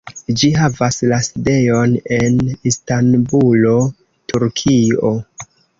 Ĝi havas la sidejon en Istanbulo, Turkio.